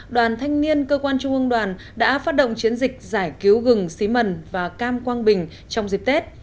đoàn thanh niên cơ quan trung ương đoàn đã phát động chiến dịch giải cứu gừng xí mần và cam quang bình trong dịp tết